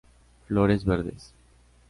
Flores verdes.